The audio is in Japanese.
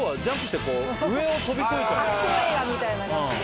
アクション映画みたいな感じで。